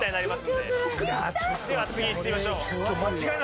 では次いってみましょう。